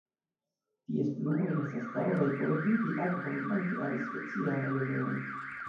Ties plumoj estas taŭgaj por eviti akvon danke al specialaj oleoj.